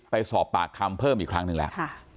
ไปสอบปากคำเพิ่มอีกครั้งหนึ่งแล้ว